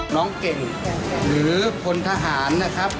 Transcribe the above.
น้องเก่งหรือพลทหารนะครับ